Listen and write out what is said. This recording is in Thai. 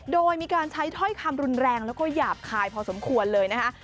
โดยมีการใช้ถ้อยคำรุนแรงแล้วก็หยาบคายพอสมควรเลยนะคะ